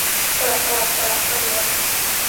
กระกรับกระเกรียบ